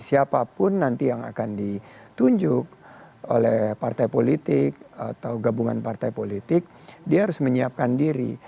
siapapun nanti yang akan ditunjuk oleh partai politik atau gabungan partai politik dia harus menyiapkan diri